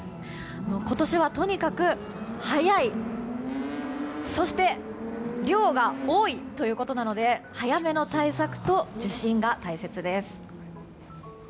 今年はとにかく早いそして量が多いということなので早めの対策と受診が大切です。